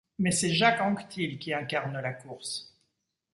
Mais c'est Jacques Anquetil qui incarne la course.